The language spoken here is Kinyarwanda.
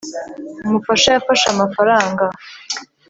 umufasha yafashe amafaranga